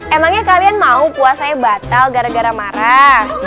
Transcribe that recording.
emangnya kalian mau puasanya batal gara gara marah